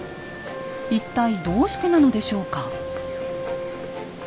一体どうしてなのでしょうか？